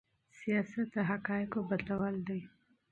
سياست د حقايقو بدلول دي.